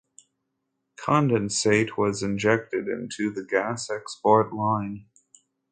Condensate was injected into the gas export line.